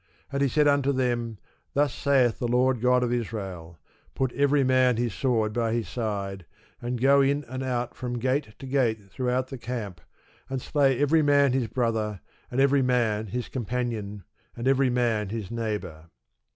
And he said unto them, Thus saith the Lord God of Israel, Put every man his sword by his side, and go in and out from gate to gate throughout the camp, and slay every man his brother, and every man his companion, and every man his neighbour.